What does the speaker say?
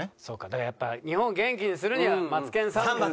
だからやっぱ日本を元気にするには『マツケンサンバ』。